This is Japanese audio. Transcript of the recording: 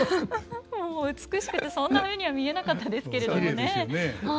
もう美しくてそんなふうには見えなかったですけれどもね。